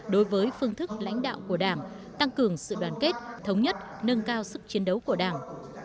đối với phương thức lãnh đạo của đảng tăng cường sự đoàn kết thống nhất nâng cao sức chiến đấu của đảng